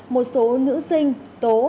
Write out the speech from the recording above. một số nữ sinh tố